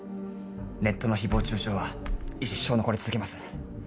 ネットの誹謗中傷は一生残り続けます。